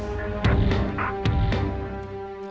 ini gimana aduh